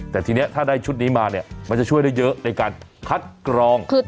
แต่ทีนี้ถ้าได้ชุดนี้มามันจะช่วยได้เยอะในการคัดกรองเบื้องต้น